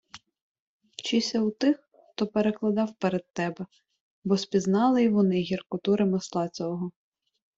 Вчися у тих, хто перекладав перед тебе, бо спізнали й вони гіркоту ремесла цього.